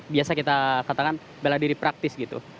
biasa kita katakan bela diri praktis gitu